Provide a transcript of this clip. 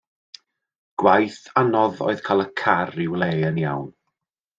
Gwaith anodd oedd cael y car i'w le yn iawn.